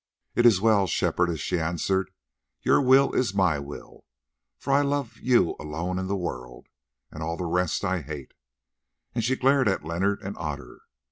"It is well, Shepherdess," she answered, "your will is my will, for I love you alone in the world, and all the rest I hate," and she glared at Leonard and Otter.